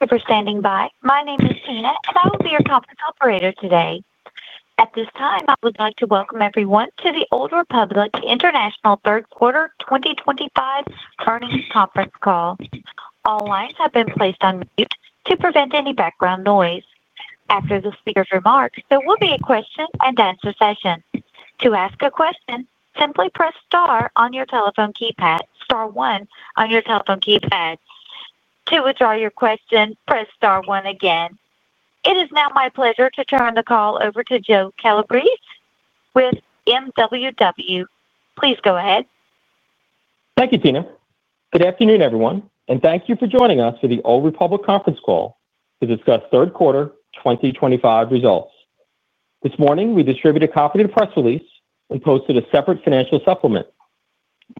Thank you for standing by. My name is Tina, and I will be your conference operator today. At this time, I would like to welcome everyone to the Old Republic International Third Quarter 2025 earnings conference call. All lines have been placed on mute to prevent any background noise. After the speaker's remarks, there will be a question and answer session. To ask a question, simply press star on your telephone keypad. Press star one on your telephone keypad. To withdraw your question, press star one again. It is now my pleasure to turn the call over to Joe Calabrese with MWW. Please go ahead. Thank you, Tina. Good afternoon, everyone, and thank you for joining us for the Old Republic International Corporation conference call to discuss third quarter 2025 results. This morning, we distributed a copy of the press release and posted a separate financial supplement.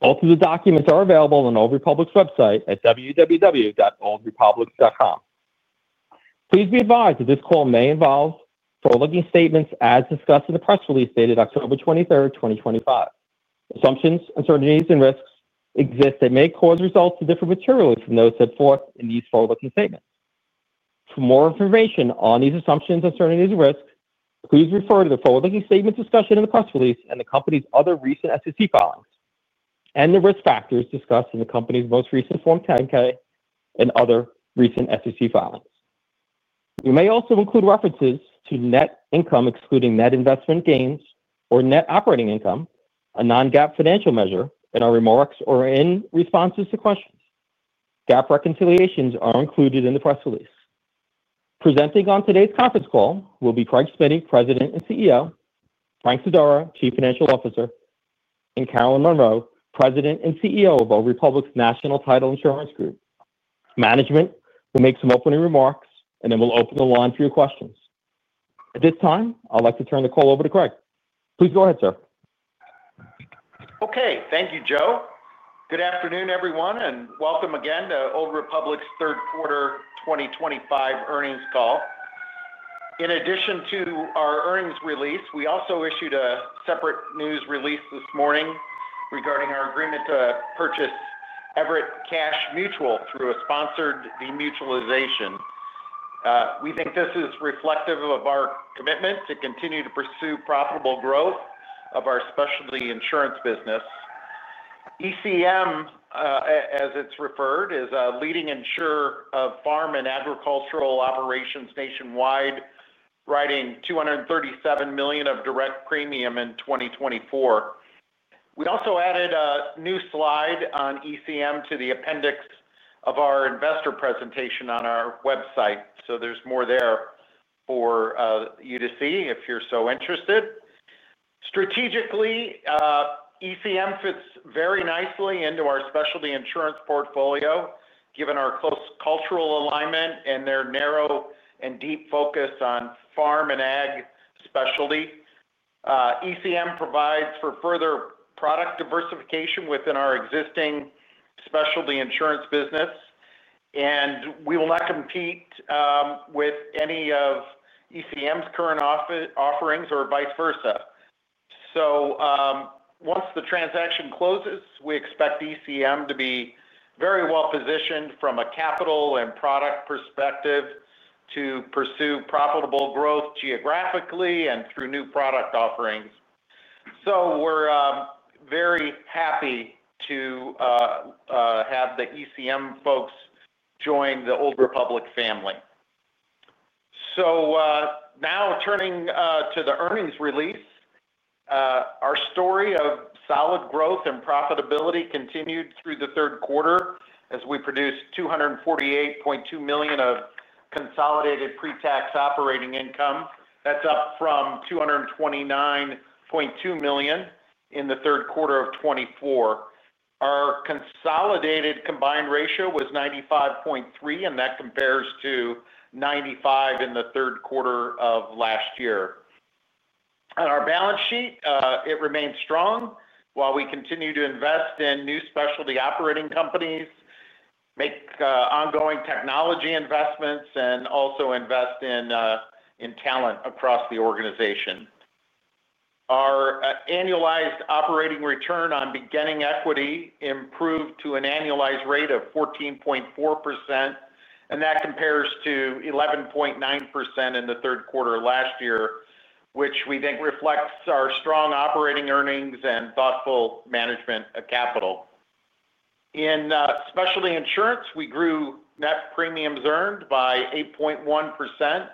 Both of the documents are available on Old Republic's website at www.oldrepublics.com. Please be advised that this call may involve forward-looking statements as discussed in the press release dated October 23rd, 2025. Assumptions, uncertainties, and risks exist that may cause results to differ materially from those set forth in these forward-looking statements. For more information on these assumptions, uncertainties, and risks, please refer to the forward-looking statement discussion in the press release and the company's other recent SEC filings and the risk factors discussed in the company's most recent Form 10-K and other recent SEC filings. We may also include references to net income excluding net investment gains or net operating income, a non-GAAP financial measure, in our remarks or in responses to questions. GAAP reconciliations are included in the press release. Presenting on today's conference call will be Craig Smiddy, President and CEO; Frank Sodaro, Chief Financial Officer; and Carolyn Monroe, President and CEO of Old Republic National Title Insurance Group. Management will make some opening remarks, and then we'll open the line for your questions. At this time, I'd like to turn the call over to Craig. Please go ahead, sir. Okay. Thank you, Joe. Good afternoon, everyone, and welcome again to Old Republic International Corporation's Third Quarter 2025 earnings call. In addition to our earnings release, we also issued a separate news release this morning regarding our agreement to purchase Everett Cash Mutual Insurance Company through a sponsored demutualization. We think this is reflective of our commitment to continue to pursue profitable growth of our specialty insurance business. ECM, as it's referred, is a leading insurer of farm and agricultural operations nationwide, writing $237 million of direct premium in 2024. We also added a new slide on ECM to the appendix of our investor presentation on our website, so there's more there for you to see if you're so interested. Strategically, ECM fits very nicely into our specialty insurance portfolio, given our close cultural alignment and their narrow and deep focus on farm and ag specialty. ECM provides for further product diversification within our existing specialty insurance business, and we will not compete with any of ECM's current offerings or vice versa. Once the transaction closes, we expect ECM to be very well positioned from a capital and product perspective to pursue profitable growth geographically and through new product offerings. We're very happy to have the ECM folks join the Old Republic family. Now turning to the earnings release, our story of solid growth and profitability continued through the third quarter as we produced $248.2 million of consolidated pre-tax operating income. That's up from $229.2 million in the third quarter of 2024. Our consolidated combined ratio was 95.3, and that compares to 95 in the third quarter of last year. Our balance sheet remains strong while we continue to invest in new specialty operating companies, make ongoing technology investments, and also invest in talent across the organization. Our annualized operating return on beginning equity improved to an annualized rate of 14.4%, and that compares to 11.9% in the third quarter of last year, which we think reflects our strong operating earnings and thoughtful management of capital. In specialty insurance, we grew net premiums earned by 8.1%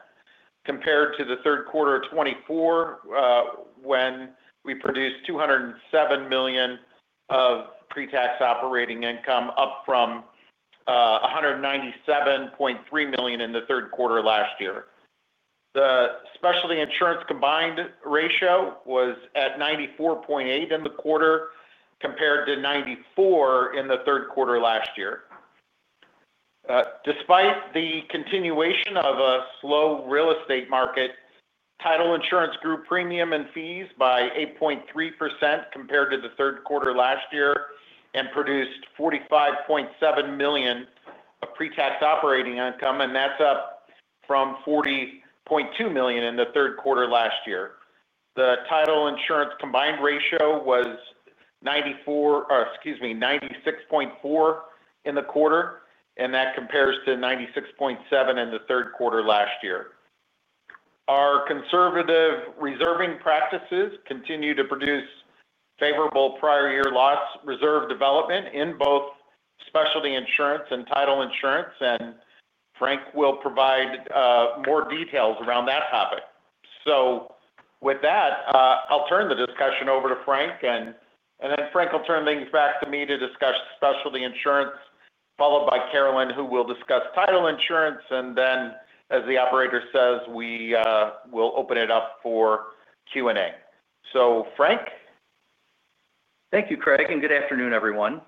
compared to the third quarter of 2024 when we produced $207 million of pre-tax operating income, up from $197.3 million in the third quarter of last year. The specialty insurance combined ratio was at 94.8 in the quarter compared to 94 in the third quarter of last year. Despite the continuation of a slow real estate market, title insurance grew premium and fees by 8.3% compared to the third quarter of last year and produced $45.7 million of pre-tax operating income, and that's up from $40.2 million in the third quarter of last year. The title insurance combined ratio was 96.4 in the quarter, and that compares to 96.7 in the third quarter of last year. Our conservative reserving practices continue to produce favorable prior year loss reserve development in both specialty insurance and title insurance, and Frank will provide more details around that topic. With that, I'll turn the discussion over to Frank, and then Frank will turn things back to me to discuss specialty insurance, followed by Carolyn, who will discuss title insurance, and then, as the operator says, we will open it up for Q&A. Frank? Thank you, Craig, and good afternoon, everyone.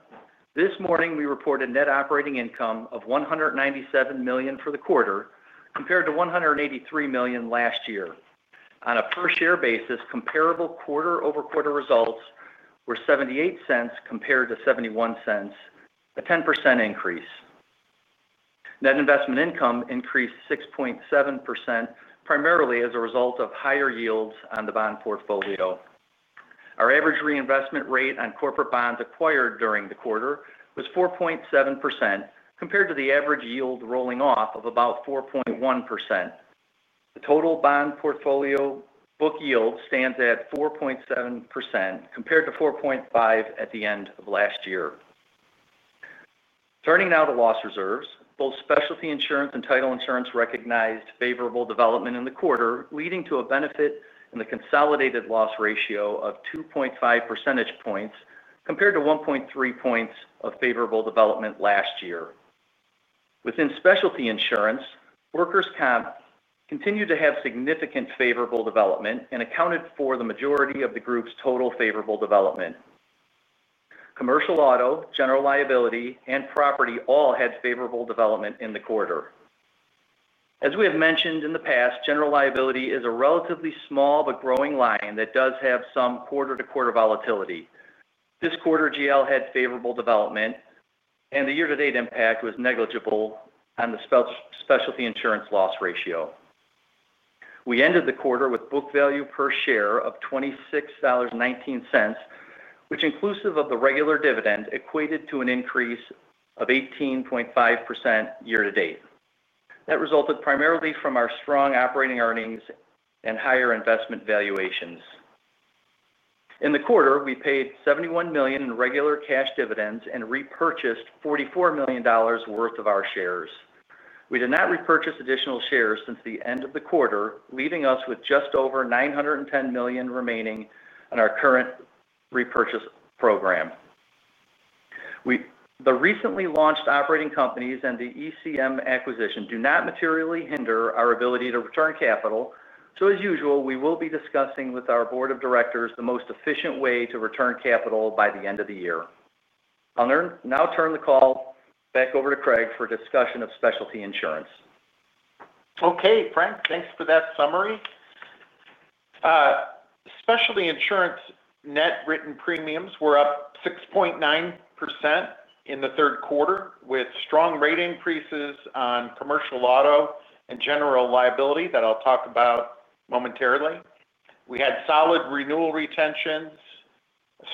This morning, we reported net operating income of $197 million for the quarter compared to $183 million last year. On a per-share basis, comparable quarter-over-quarter results were $0.78 compared to $0.71, a 10% increase. Net investment income increased 6.7% primarily as a result of higher yields on the bond portfolio. Our average reinvestment rate on corporate bonds acquired during the quarter was 4.7% compared to the average yield rolling off of about 4.1%. The total bond portfolio book yield stands at 4.7% compared to 4.5% at the end of last year. Turning now to loss reserves, both specialty insurance and title insurance recognized favorable development in the quarter, leading to a benefit in the consolidated loss ratio of 2.5% points compared to 1.3 points of favorable development last year. Within specialty insurance, workers’ compensation continued to have significant favorable development and accounted for the majority of the group's total favorable development. Commercial auto, general liability, and property all had favorable development in the quarter. As we have mentioned in the past, general liability is a relatively small but growing line that does have some quarter-to-quarter volatility. This quarter, general liability had favorable development, and the year-to-date impact was negligible on the specialty insurance loss ratio. We ended the quarter with book value per share of $26.19, which, inclusive of the regular dividend, equated to an increase of 18.5% year-to-date. That resulted primarily from our strong operating earnings and higher investment valuations. In the quarter, we paid $71 million in regular cash dividends and repurchased $44 million worth of our shares. We did not repurchase additional shares since the end of the quarter, leaving us with just over $910 million remaining on our current repurchase program. The recently launched operating companies and the Everett Cash Mutual Insurance Company acquisition do not materially hinder our ability to return capital, so as usual, we will be discussing with our board of directors the most efficient way to return capital by the end of the year. I'll now turn the call back over to Craig for a discussion of specialty insurance. Okay, Frank, thanks for that summary. Specialty insurance net written premiums were up 6.9% in the third quarter, with strong rate increases on commercial auto and general liability that I'll talk about momentarily. We had solid renewal retentions,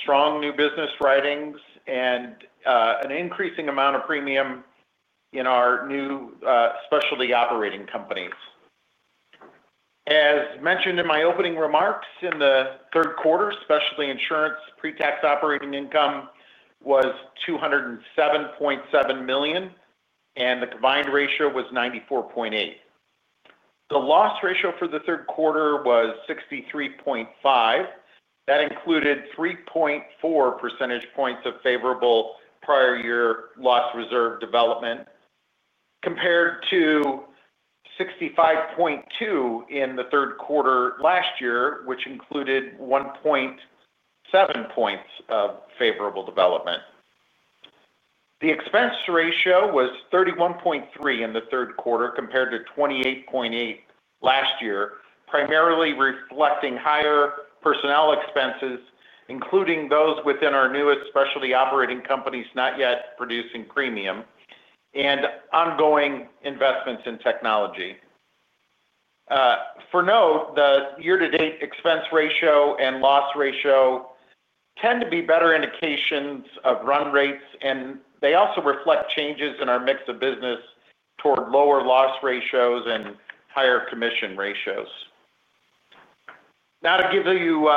strong new business writings, and an increasing amount of premium in our new specialty operating companies. As mentioned in my opening remarks, in the third quarter, specialty insurance pre-tax operating income was $207.7 million, and the combined ratio was 94.8. The loss ratio for the third quarter was 63.5. That included 3.4% points of favorable prior year loss reserve development compared to 65.2 in the third quarter last year, which included 1.7 points of favorable development. The expense ratio was 31.3 in the third quarter compared to 28.8 last year, primarily reflecting higher personnel expenses, including those within our newest specialty operating companies not yet producing premium and ongoing investments in technology. For note, the year-to-date expense ratio and loss ratio tend to be better indications of run rates, and they also reflect changes in our mix of business toward lower loss ratios and higher commission ratios. Now, to give you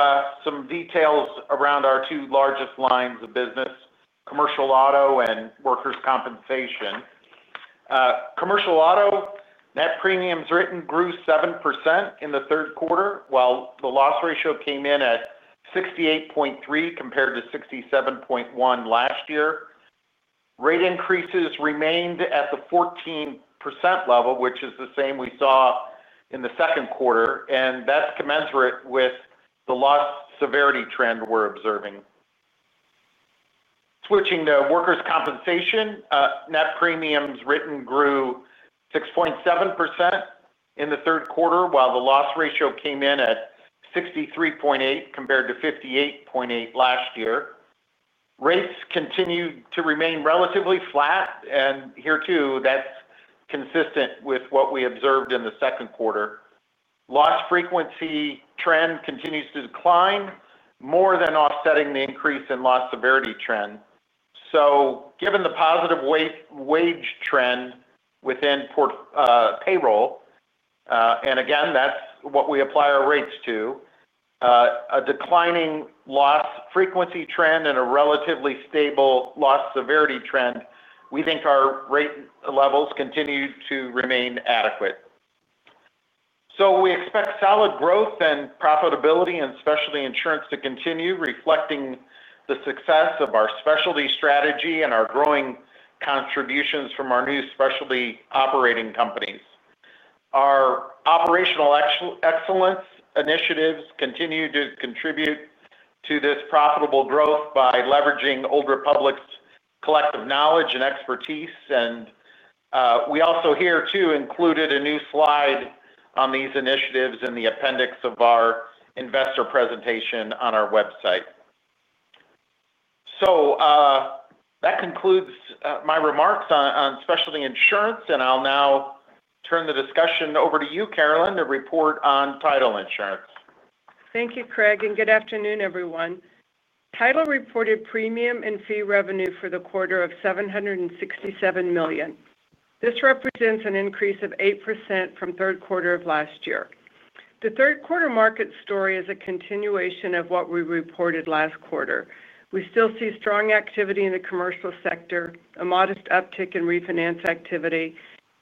some details around our two largest lines of business, commercial auto and workers' compensation. Commercial auto, net premiums written grew 7% in the third quarter, while the loss ratio came in at 68.3 compared to 67.1 last year. Rate increases remained at the 14% level, which is the same we saw in the second quarter, and that's commensurate with the loss severity trend we're observing. Switching to workers' compensation, net premiums written grew 6.7% in the third quarter, while the loss ratio came in at 63.8 compared to 58.8 last year. Rates continued to remain relatively flat, and here too, that's consistent with what we observed in the second quarter. Loss frequency trend continues to decline more than offsetting the increase in loss severity trend. Given the positive wage trend within payroll, and again, that's what we apply our rates to, a declining loss frequency trend and a relatively stable loss severity trend, we think our rate levels continue to remain adequate. We expect solid growth in profitability and specialty insurance to continue, reflecting the success of our specialty strategy and our growing contributions from our new specialty operating companies. Our operational excellence initiatives continue to contribute to this profitable growth by leveraging Old Republic's collective knowledge and expertise, and we also here too included a new slide on these initiatives in the appendix of our investor presentation on our website. That concludes my remarks on specialty insurance, and I'll now turn the discussion over to you, Carolyn, to report on title insurance. Thank you, Craig, and good afternoon, everyone. Title reported premium and fee revenue for the quarter of $767 million. This represents an increase of 8% from the third quarter of last year. The third quarter market story is a continuation of what we reported last quarter. We still see strong activity in the commercial sector, a modest uptick in refinance activity,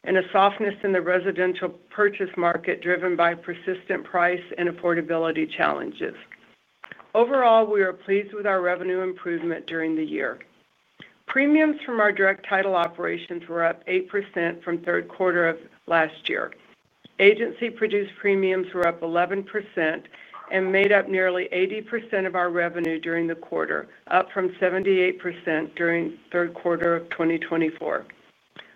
and a softness in the residential purchase market driven by persistent price and affordability challenges. Overall, we are pleased with our revenue improvement during the year. Premiums from our direct title operations were up 8% from the 1/3 quarter of last year. Agency-produced premiums were up 11% and made up nearly 80% of our revenue during the quarter, up from 78% during the third quarter of 2024.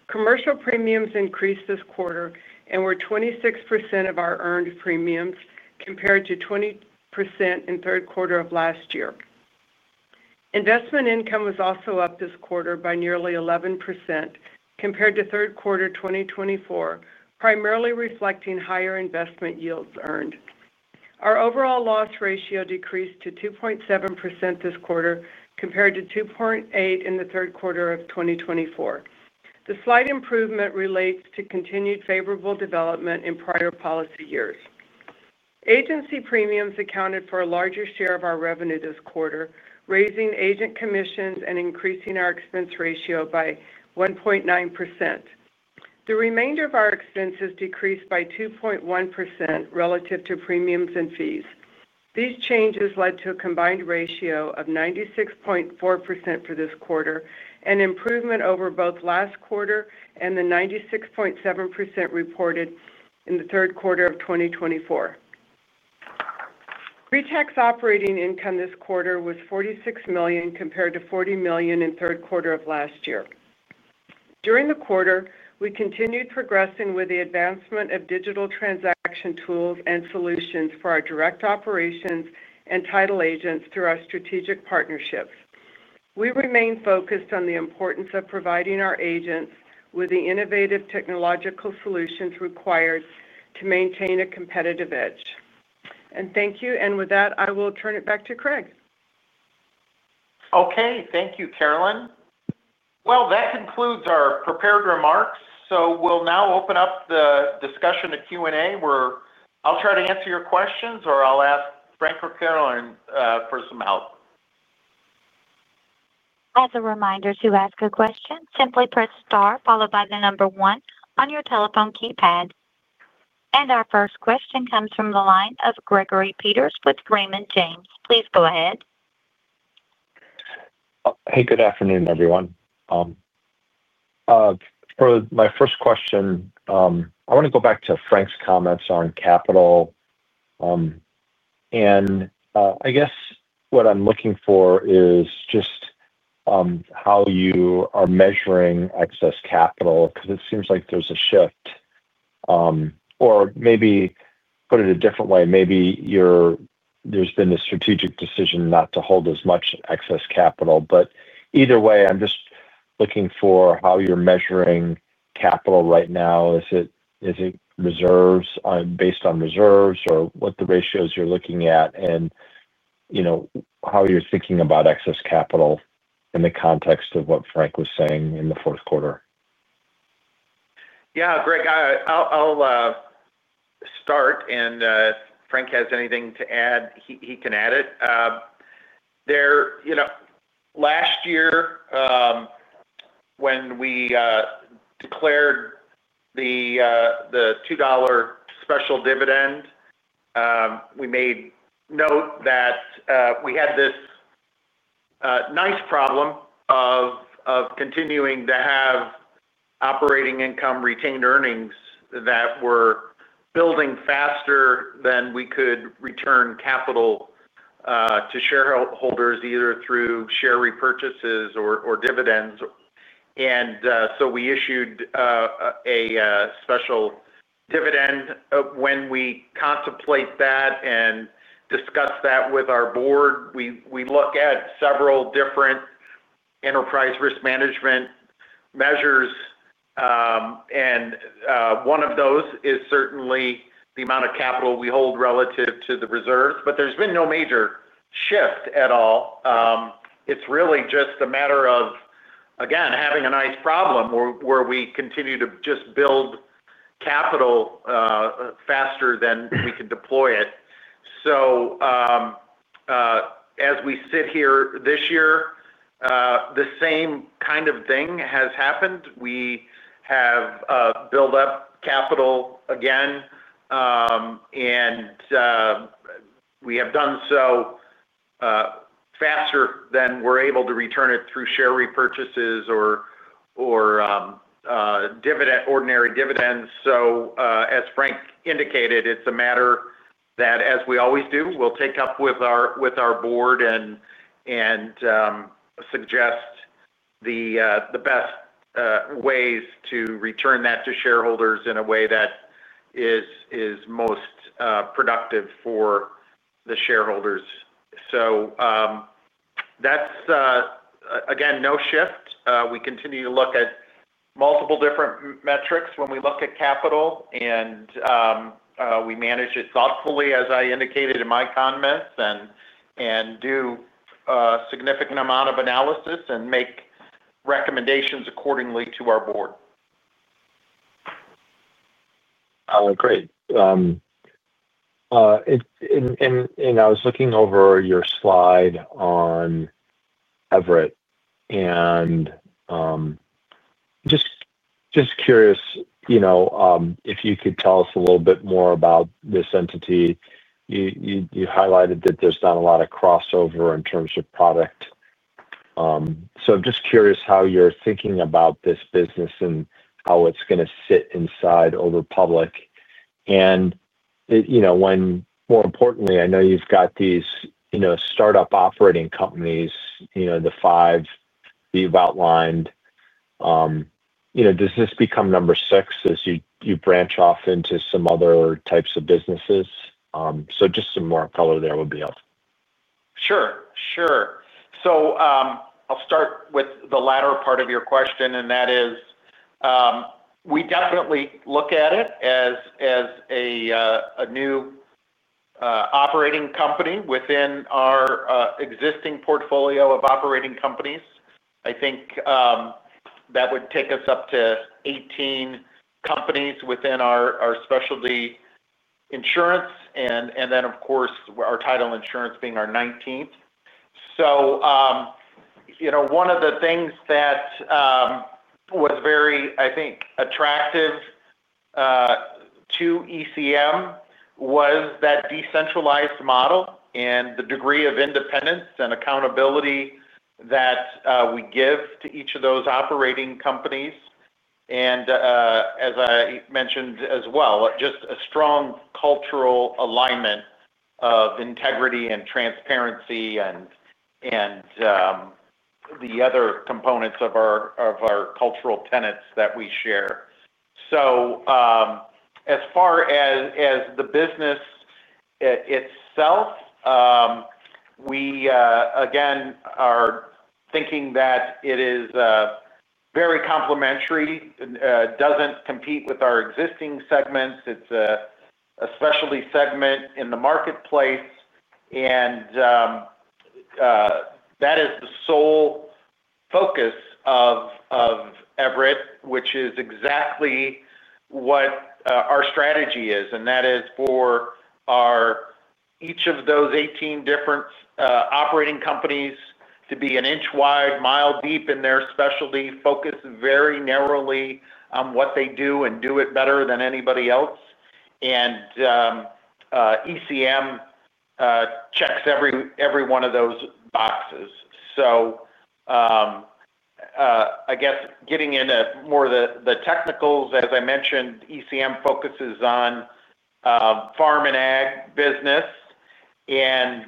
Commercial premiums increased this quarter and were 26% of our earned premiums compared to 20% in the third quarter of last year. Investment income was also up this quarter by nearly 11% compared to the third quarter of 2024, primarily reflecting higher investment yields earned. Our overall loss ratio decreased to 2.7% this quarter compared to 2.8% in the third quarter of 2024. The slight improvement relates to continued favorable development in prior policy years. Agency premiums accounted for a larger share of our revenue this quarter, raising agent commissions and increasing our expense ratio by 1.9%. The remainder of our expenses decreased by 2.1% relative to premiums and fees. These changes led to a combined ratio of 96.4% for this quarter and improvement over both last quarter and the 96.7% reported in the 1/3 quarter of 2024. Pre-tax operating income this quarter was $46 million compared to $40 million in the 1/3 quarter of last year. During the quarter, we continued progressing with the advancement of digital transaction tools and solutions for our direct operations and title agents through our strategic partnerships. We remain focused on the importance of providing our agents with the innovative technological solutions required to maintain a competitive edge. Thank you, and with that, I will turn it back to Craig. Thank you, Carolyn. That concludes our prepared remarks. We'll now open up the discussion to Q&A, where I'll try to answer your questions or I'll ask Frank or Carolyn for some help. As a reminder, to ask a question, simply press star followed by the number one on your telephone keypad. Our first question comes from the line of Greg Peters with Raymond James. Please go ahead. Hey, good afternoon, everyone. For my first question, I want to go back to Frank's comments on capital. I guess what I'm looking for is just how you are measuring excess capital because it seems like there's a shift. Maybe put it a different way, maybe there's been a strategic decision not to hold as much excess capital. Either way, I'm just looking for how you're measuring capital right now. Is it based on reserves or what the ratios you're looking at, and how you're thinking about excess capital in the context of what Frank was saying in the fourth quarter? Yeah, Greg, I'll start. If Frank has anything to add, he can add it. Last year, when we declared the $2 special dividend, we made note that we had this nice problem of continuing to have operating income retained earnings that were building faster than we could return capital to shareholders either through share repurchases or dividends. We issued a special dividend. When we contemplate that and discuss that with our board, we look at several different enterprise risk management measures. One of those is certainly the amount of capital we hold relative to the reserves. There's been no major shift at all. It's really just a matter of, again, having a nice problem where we continue to just build capital faster than we can deploy it. As we sit here this year, the same kind of thing has happened. We have built up capital again, and we have done so faster than we're able to return it through share repurchases or ordinary dividends. So as Frank indicated, it's a matter that, as we always do, we'll take up with our board and suggest the best ways to return that to shareholders in a way that is most productive for the shareholders. That's, again, no shift. We continue to look at multiple different metrics when we look at capital, and we manage it thoughtfully, as I indicated in my comments, and do a significant amount of analysis and make recommendations accordingly to our board. I agree. I was looking over your slide on Everett and just curious, you know, if you could tell us a little bit more about this entity. You highlighted that there's not a lot of crossover in terms of product. I'm just curious how you're thinking about this business and how it's going to sit inside Old Republic. More importantly, I know you've got these startup operating companies, the five that you've outlined. Does this become number six as you branch off into some other types of businesses? Just some more color there would be helpful. Sure. I'll start with the latter part of your question, and that is we definitely look at it as a new operating company within our existing portfolio of operating companies. I think that would take us up to 18 companies within our specialty insurance, and then, of course, our title insurance being our 19th. One of the things that was very, I think, attractive to Everett Cash Mutual Insurance Company (ECM) was that decentralized model and the degree of independence and accountability that we give to each of those operating companies. As I mentioned as well, just a strong cultural alignment of integrity and transparency and the other components of our cultural tenets that we share. As far as the business itself, we, again, are thinking that it is very complementary, doesn't compete with our existing segments. It's a specialty segment in the marketplace. That is the sole focus of Everett, which is exactly what our strategy is, and that is for each of those 18 different operating companies to be an inch wide, mile deep in their specialty, focus very narrowly on what they do and do it better than anybody else. ECM checks every one of those boxes. I guess getting into more of the technicals, as I mentioned, ECM focuses on farm and ag business. In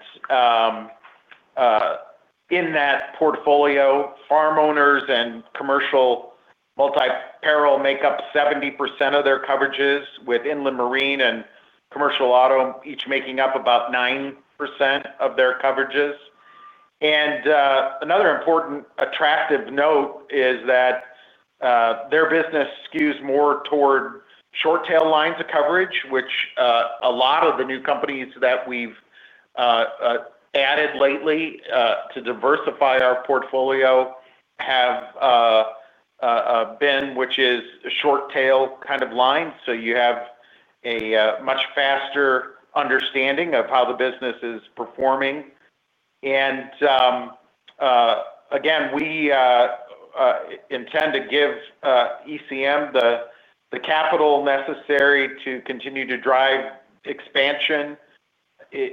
that portfolio, farm owners and commercial multi-peril make up 70% of their coverages, with inland marine and commercial auto each making up about 9% of their coverages. Another important attractive note is that their business skews more toward short-tail lines of coverage, which a lot of the new companies that we've added lately to diversify our portfolio have been, which is a short-tail kind of line. You have a much faster understanding of how the business is performing. We intend to give ECM the capital necessary to continue to drive expansion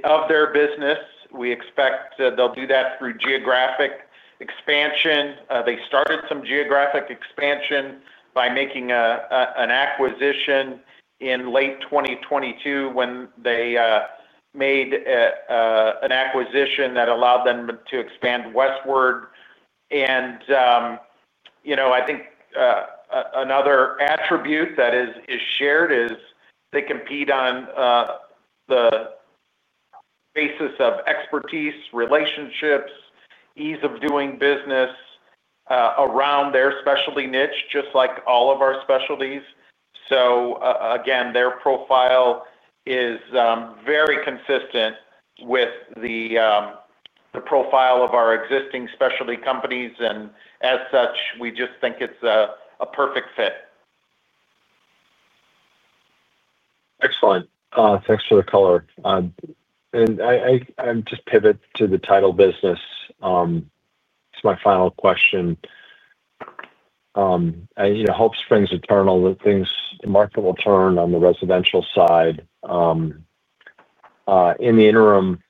of their business. We expect they'll do that through geographic expansion. They started some geographic expansion by making an acquisition in late 2022 when they made an acquisition that allowed them to expand westward. I think another attribute that is shared is they compete on the basis of expertise, relationships, ease of doing business around their specialty niche, just like all of our specialties. Their profile is very consistent with the profile of our existing specialty companies, and as such, we just think it's a perfect fit. Excellent. Thanks for the color. I'm just pivoting to the title business. It's my final question. You know, hope springs eternal that things in the market will turn on the residential side. In the interim,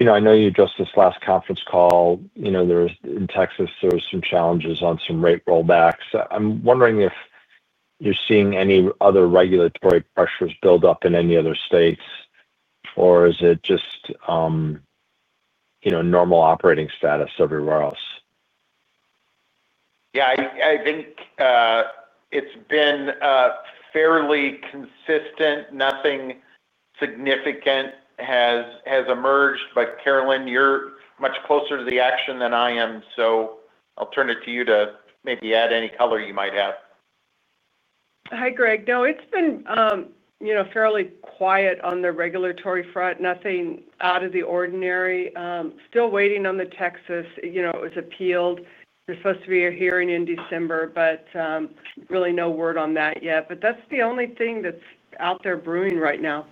I know you addressed this last conference call. In Texas, there are some challenges on some rate rollbacks. I'm wondering if you're seeing any other regulatory pressures build up in any other states, or is it just normal operating status everywhere else? Yeah, I think it's been fairly consistent. Nothing significant has emerged. Carolyn, you're much closer to the action than I am, so I'll turn it to you to maybe add any color you might have. Hi, Greg. No, it's been fairly quiet on the regulatory front. Nothing out of the ordinary. Still waiting on the Texas, you know, it was appealed. There's supposed to be a hearing in December, really no word on that yet. That's the only thing that's out there brewing right now.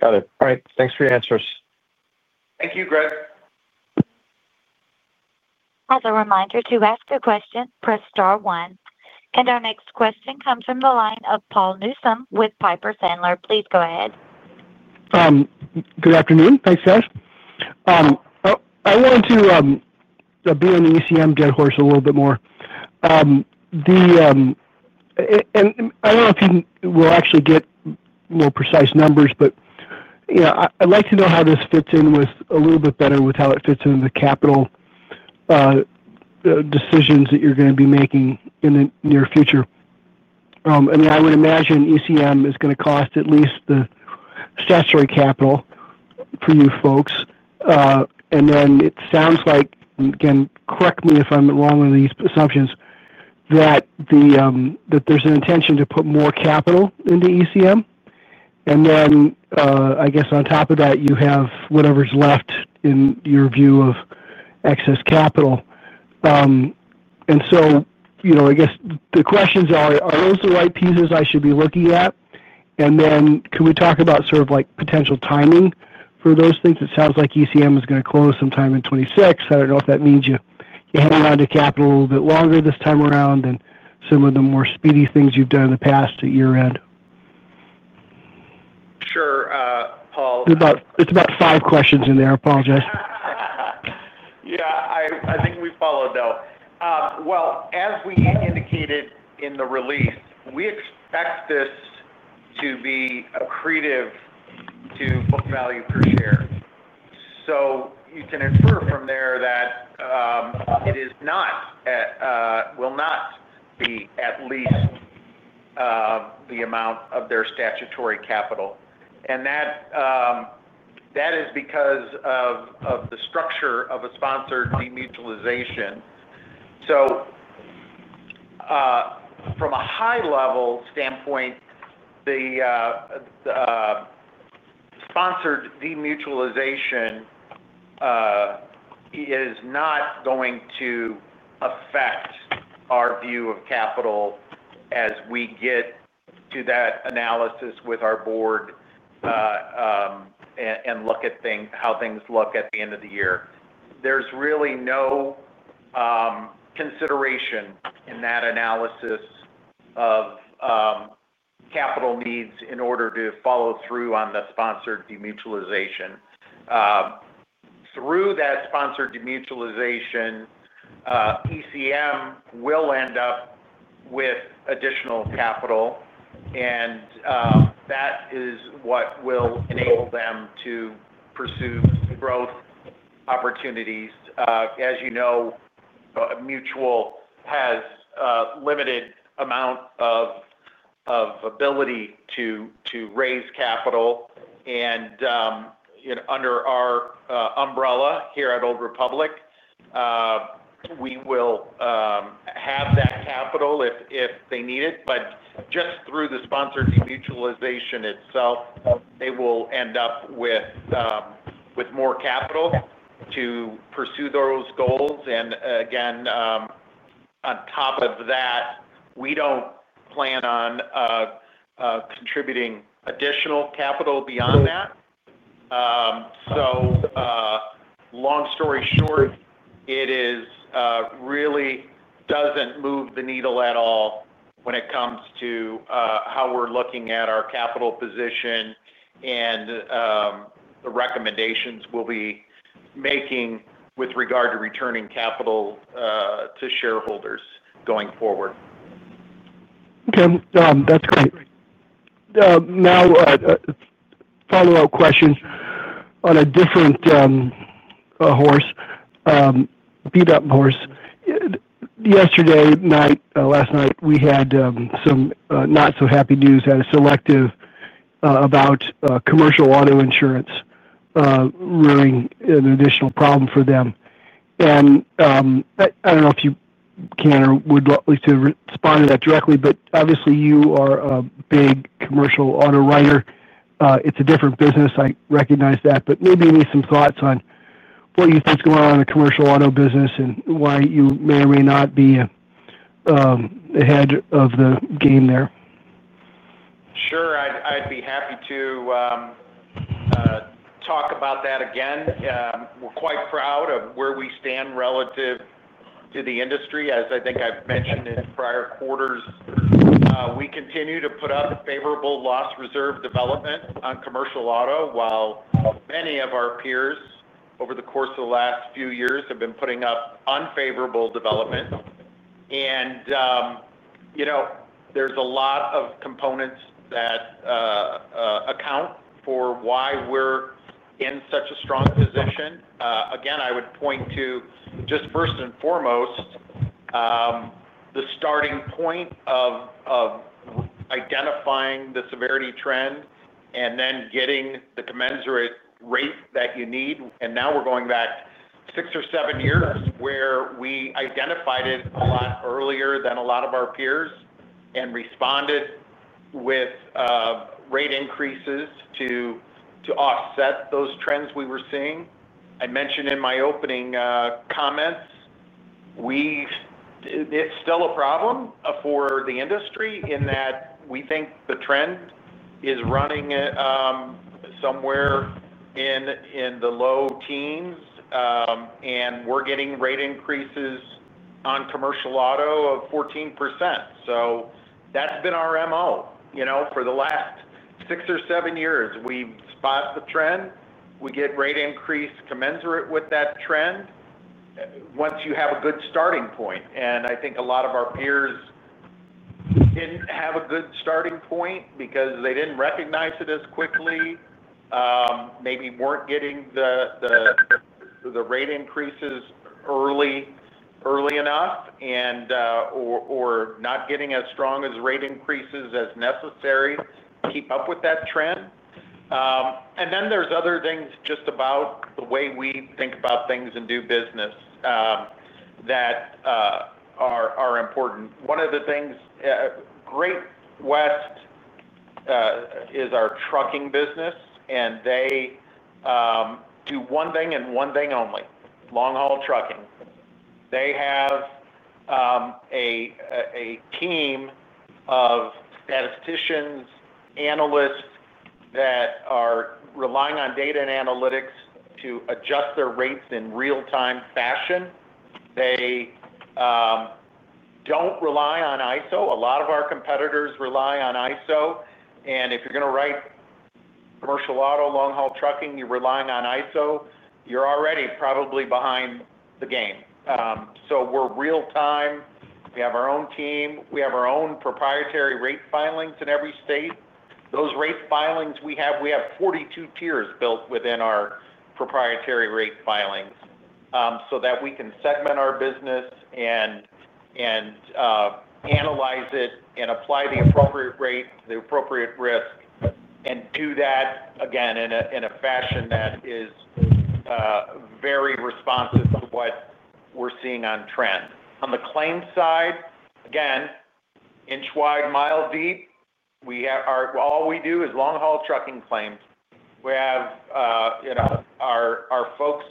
Got it. All right. Thanks for your answers. Thank you, Greg. As a reminder, to ask a question, press star one. Our next question comes from the line of Paul Newsome with Piper Sandler. Please go ahead. Good afternoon. Thanks, Craig. I wanted to be on the ECM dead horse a little bit more. I don't know if you will actually get more precise numbers, but you know, I'd like to know how this fits in with a little bit better with how it fits in the capital decisions that you're going to be making in the near future. I mean, I would imagine ECM is going to cost at least the statutory capital for you folks. It sounds like, and again, correct me if I'm wrong on these assumptions, that there's an intention to put more capital into ECM. I guess on top of that, you have whatever's left in your view of excess capital. I guess the questions are, are those the right pieces I should be looking at? Can we talk about sort of like potential timing for those things? It sounds like ECM is going to close sometime in 2026. I don't know if that means you're hanging on to capital a little bit longer this time around than some of the more speedy things you've done in the past at year-end. Sure, Paul. It's about five questions in there. I apologize. I think we followed, though. Well as we indicated in the release, we expect this to be accretive to book value per share. You can infer from there that it is not, will not be at least the amount of their statutory capital. That is because of the structure of a sponsored demutualization. From a high-level standpoint, the sponsored demutualization is not going to affect our view of capital as we get to that analysis with our board and look at how things look at the end of the year. There's really no consideration in that analysis of capital needs in order to follow through on the sponsored demutualization. Through that sponsored demutualization, Everett Cash Mutual Insurance Company (ECM) will end up with additional capital, and that is what will enable them to pursue growth opportunities. As you know, a mutual has a limited amount of ability to raise capital. Under our umbrella here at Old Republic International Corporation, we will have that capital if they need it. Just through the sponsored demutualization itself, they will end up with more capital to pursue those goals. Again, on top of that, we don't plan on contributing additional capital beyond that. Long story short, it really doesn't move the needle at all when it comes to how we're looking at our capital position and the recommendations we'll be making with regard to returning capital to shareholders going forward. Okay. That's great. Now, follow-up questions on a different horse, beat-up horse. Last night, we had some not-so-happy news out of Selective about commercial auto insurance, rearing an additional problem for them. I don't know if you can or would like to respond to that directly, but obviously, you are a big commercial auto writer. It's a different business. I recognize that. Maybe you need some thoughts on what you think is going on in the commercial auto business and why you may or may not be ahead of the game there. Sure. I'd be happy to talk about that again. We're quite proud of where we stand relative to the industry. As I think I've mentioned in prior quarters, we continue to put up favorable loss reserve development on commercial auto, while many of our peers over the course of the last few years have been putting up unfavorable development. There are a lot of components that account for why we're in such a strong position. I would point to just first and foremost the starting point of identifying the severity trend and then getting the commensurate rate that you need. Now we're going back six or seven years where we identified it a lot earlier than a lot of our peers and responded with rate increases to offset those trends we were seeing. I mentioned in my opening comments, it's still a problem for the industry in that we think the trend is running somewhere in the low teens, and we're getting rate increases on commercial auto of 14%. That's been our MO. For the last six or seven years, we've spotted the trend. We get rate increase commensurate with that trend once you have a good starting point. I think a lot of our peers didn't have a good starting point because they didn't recognize it as quickly, maybe weren't getting the rate increases early enough, or not getting as strong as rate increases as necessary to keep up with that trend. There are other things just about the way we think about things and do business that are important. One of the things, Great West is our trucking business, and they do one thing and one thing only, long-haul trucking. They have a team of statisticians, analysts that are relying on data and analytics to adjust their rates in real-time fashion. They don't rely on ISO. A lot of our competitors rely on ISO. If you're going to write commercial auto long-haul trucking, you're relying on ISO, you're already probably behind the game. We're real-time. We have our own team. We have our own proprietary rate filings in every state. Those rate filings we have, we have 42 tiers built within our proprietary rate filings so that we can segment our business and analyze it and apply the appropriate rate, the appropriate risk, and do that again in a fashion that is very responsive to what we're seeing on trend. On the claim side, inch wide, mile deep, all we do is long-haul trucking claims. We have our folks,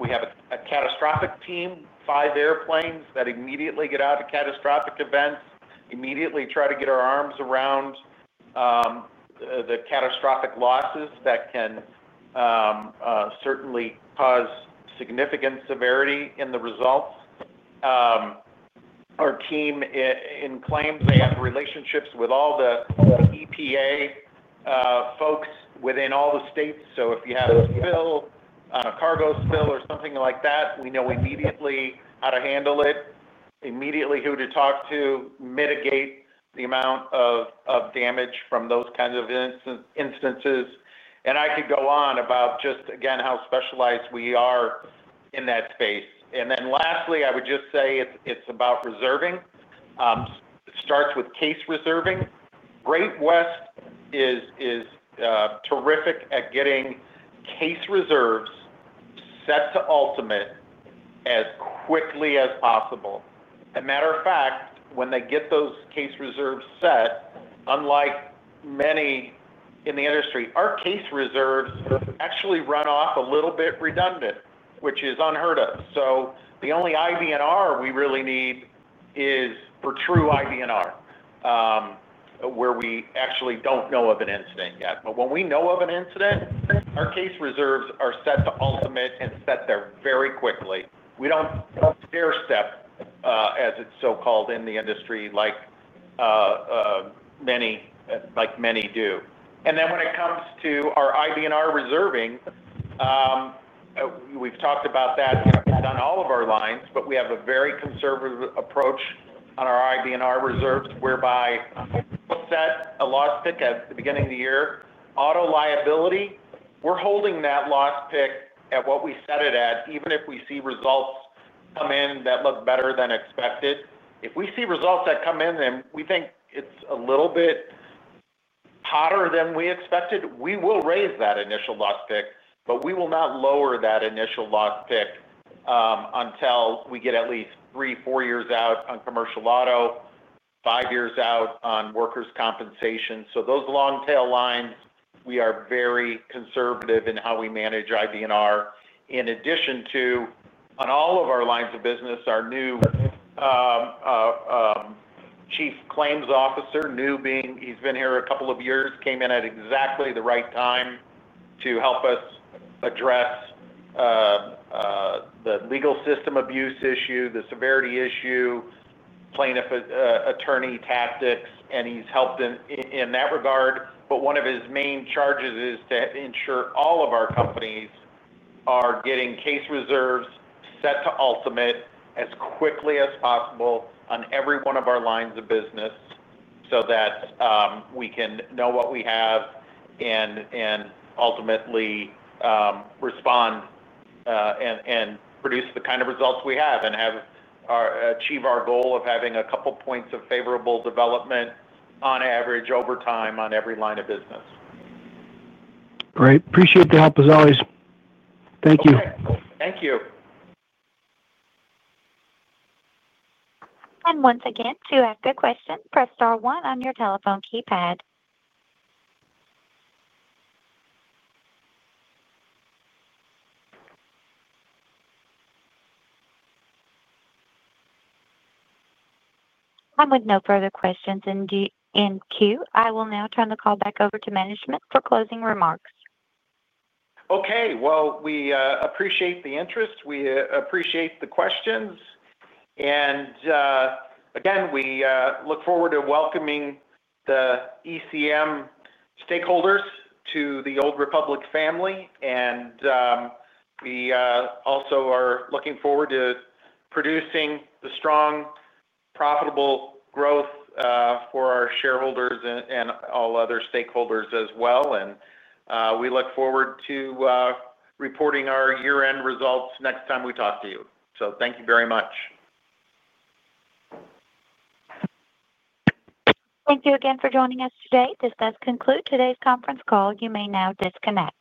we have a catastrophic team, five airplanes that immediately get out to catastrophic events, immediately try to get our arms around the catastrophic losses that can certainly cause significant severity in the results. Our team in claims has relationships with all the EPA folks within all the states. If you have a spill, a cargo spill, or something like that, we know immediately how to handle it, immediately who to talk to, mitigate the amount of damage from those kinds of instances. I could go on about just, again, how specialized we are in that space. Lastly, I would just say it's about reserving. It starts with case reserving. Great West is terrific at getting case reserves set to ultimate as quickly as possible. As a matter of fact, when they get those case reserves set, unlike many in the industry, our case reserves actually run off a little bit redundant, which is unheard of. The only IBNR we really need is for true IBNR, where we actually don't know of an incident yet. When we know of an incident, our case reserves are set to ultimate and set there very quickly. We don't stair-step, as it's so-called in the industry, like many do. When it comes to our IBNR reserving, we've talked about that on all of our lines, but we have a very conservative approach on our IBNR reserves whereby we set a loss pick at the beginning of the year. Auto liability, we're holding that loss pick at what we set it at, even if we see results come in that look better than expected. If we see results that come in and we think it's a little bit hotter than we expected, we will raise that initial loss pick, but we will not lower that initial loss pick until we get at least three, four years out on commercial auto, five years out on workers' compensation. Those long-tail lines, we are very conservative in how we manage IBNR. In addition, on all of our lines of business, our new Chief Claims Officer, new being he's been here a couple of years, came in at exactly the right time to help us address the legal system abuse issue, the severity issue, plaintiff attorney tactics, and he's helped in that regard. One of his main charges is to ensure all of our companies are getting case reserves set to ultimate as quickly as possible on every one of our lines of business so that we can know what we have and ultimately respond and produce the kind of results we have and achieve our goal of having a couple of points of favorable development on average over time on every line of business. Great. Appreciate the help as always. Thank you. Thank you. To ask a question, press star one on your telephone keypad. With no further questions in queue, I will now turn the call back over to management for closing remarks. We appreciate the interest. We appreciate the questions. We look forward to welcoming the ECM stakeholders to the Old Republic family. We also are looking forward to producing the strong, profitable growth for our shareholders and all other stakeholders as well. We look forward to reporting our year-end results next time we talk to you. Thank you very much. Thank you again for joining us today. This does conclude today's conference call. You may now disconnect.